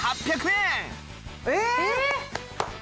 えっ！？